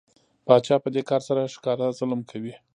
پاچا په دې کار سره ښکاره ظلم کوي.